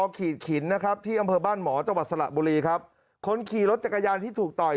ขีดขินนะครับที่อำเภอบ้านหมอจังหวัดสระบุรีครับคนขี่รถจักรยานที่ถูกต่อย